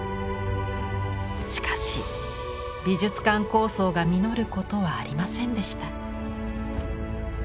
しかし美術館構想が実ることはありませんでした。